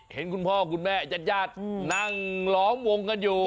คุณพ่อคุณแม่ญาติญาตินั่งล้อมวงกันอยู่